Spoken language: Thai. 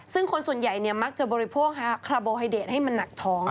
ซึ่งคนส่วนใหญ่มักจะบริโภคคาร์โบไฮเดตให้มันหนักท้อง